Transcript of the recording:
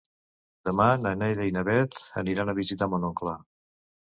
Demà na Neida i na Bet aniran a visitar mon oncle.